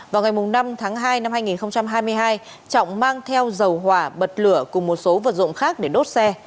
vào ngày năm tháng hai năm hai nghìn hai mươi hai trọng mang theo dầu hỏa bật lửa cùng một số vật dụng khác để đốt xe